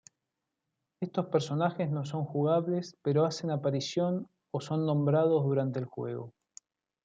Estos personajes no son jugables pero hacen aparición o son nombrados durante el juego.